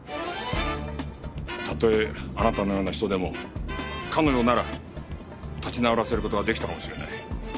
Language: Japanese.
たとえあなたのような人でも彼女なら立ち直らせる事ができたかもしれない。